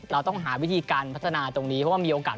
เราต้องหาวิธีการพัฒนาตรงนี้เพราะว่ามีโอกาส